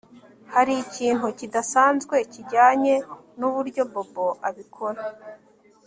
Hari ikintu kidasanzwe kijyanye nuburyo Bobo abikora